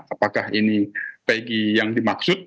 apakah ini tegi yang dimaksud